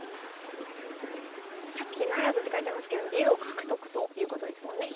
「１００期ならず」って書いてますけど竜王獲得ということですもんね